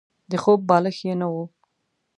د خوب بالښت يې نه وو.